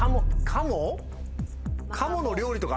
カモ？